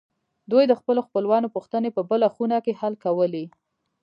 دوی د خپلو خپلوانو پوښتنې په بله خونه کې حل کولې